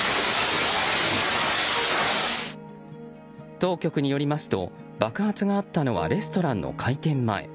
当局によりますと爆発があったのはレストランの開店前。